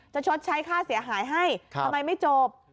ชดใช้ค่าเสียหายให้ทำไมไม่จบ